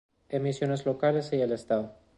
Emisiones locales y del estado.